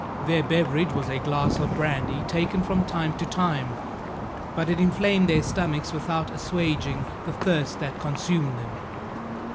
Their beverage was a glass of brandy taken from time to time, but it inflamed their stomachs without assuaging the thirst that consumed them.